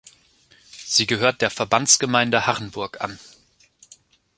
Sie gehört der Verbandsgemeinde Hachenburg an.